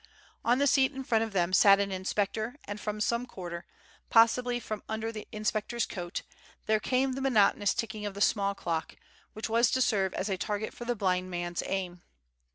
On the seat in front of them sat an inspector and from some quarter, possibly from under the inspector's coat, there came the monotonous ticking of the small clock, which was to serve as a target for the blind man's aim.